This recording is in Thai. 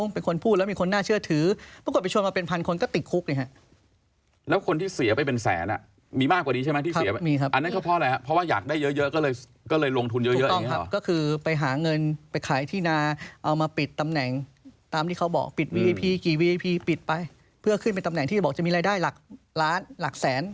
เพื่อขึ้นเป็นตำแหน่งที่บอกจะมีรายได้หลักล้านหลักแสน